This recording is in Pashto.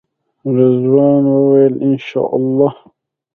رضوان وویل انشاالله.